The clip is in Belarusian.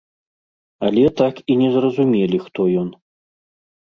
Але так і не зразумелі, хто ён.